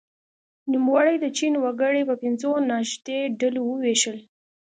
نوموړي د چین وګړي په پنځو نژادي ډلو وویشل.